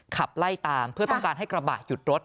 ขับไล่ตามเพื่อต้องการให้กระบะหยุดรถ